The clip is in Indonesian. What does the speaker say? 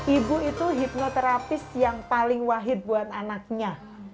ibu itu hipnoterapis yang paling wahid buat anaknya